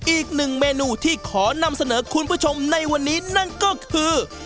อีกหนึ่งเมนูที่ขอนำเสนอคุณผู้ชมในวันนี้นั่นก็คือ